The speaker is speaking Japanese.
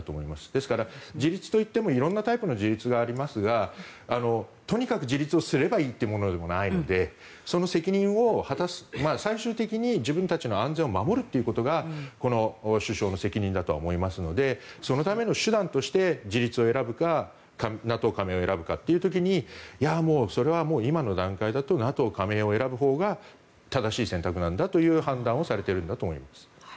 ですから、自立といっても色んなタイプの自立がありますがとにかく自立すればいいというものでもないのでその責任を果たす最終的に自分たちの安全を守るということがこの首相の責任だとは思いますのでそのための手段として自立を選ぶかＮＡＴＯ加盟を選ぶかという時にもうそれは今の段階だとＮＡＴＯ加盟を選ぶほうが正しい選択なんだという判断をされているんだと思います。